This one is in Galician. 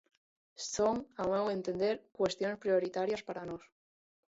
Son, ao meu entender, cuestións prioritarias para nós.